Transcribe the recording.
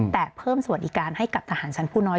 แต่เพิ่มสวัสดิการให้กับทหารชั้นผู้น้อย